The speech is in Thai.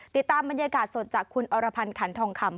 ติดตามบรรยากาศสดจากคุณอรพันธ์ขันทองคำ